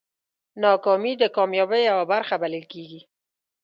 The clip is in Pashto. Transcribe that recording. ناکامي د کامیابۍ یوه برخه بلل کېږي.